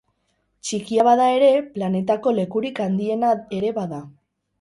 Txikia bada ere, planetako lekurik handiena ere bada.